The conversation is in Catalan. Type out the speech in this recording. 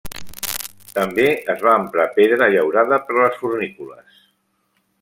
També es va emprar pedra llaurada per a les fornícules.